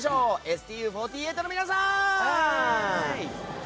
ＳＴＵ４８の皆さん！